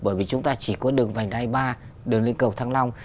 bởi vì chúng ta chỉ có đường vành đai ba đường lên cầu thăng long